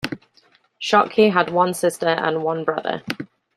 Schottky had one sister and one brother.